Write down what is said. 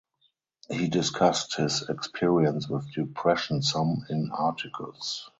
He discussed his experience with depression some in articles.